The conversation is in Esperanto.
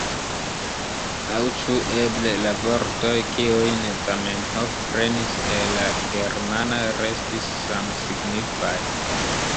Aŭ ĉu eble la vortoj kiujn Zamenhof prenis el la germana restis samsignifaj?